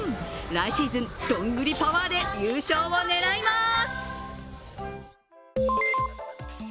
来シーズン、どんぐりパワーで優勝を狙います。